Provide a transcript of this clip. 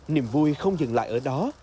niềm vui không dừng lại ở đó